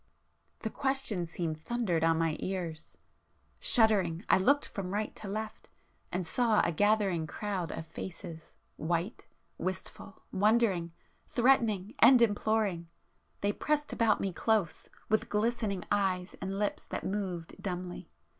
The question seemed thundered on my ears, ... shuddering, I looked from right to left, and saw a gathering crowd of faces, white, wistful, wondering, threatening and imploring,—they pressed about me close, with glistening eyes and lips that moved dumbly.